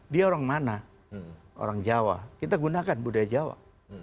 dia orang mana orang jawa kita gunakan budaya jawa